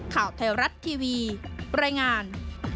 ข่าวไทยรัฐทีวีรายงาน